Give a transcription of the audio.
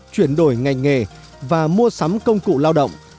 chuyển đổi ngành nghề và mua sắm công cụ lao động